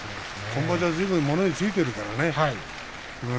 今場所は、ずいぶん物言いがついているからね。